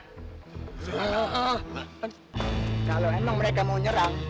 kalau memang mereka mau nyerang